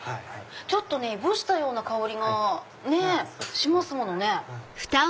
ちょっといぶしたような香りがしますね。